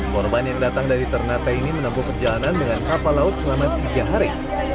korban yang datang dari ternate ini menempuh perjalanan dengan kapal laut selama tiga hari